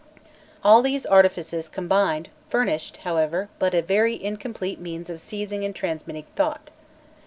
jpg PAGE IMAGE] All these artifices combined furnished, however, but a very incomplete means of seizing and transmitting thought.